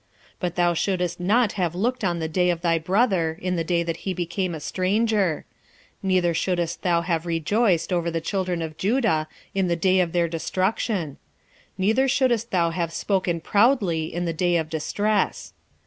1:12 But thou shouldest not have looked on the day of thy brother in the day that he became a stranger; neither shouldest thou have rejoiced over the children of Judah in the day of their destruction; neither shouldest thou have spoken proudly in the day of distress.